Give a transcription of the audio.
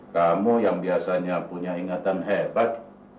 kamu yang biasanya punya ingatan hebat